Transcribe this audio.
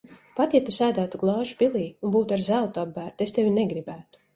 Pat ja Tu sēdētu glāžu pilī un būtu ar zeltu apbērta, es tevi negribētu.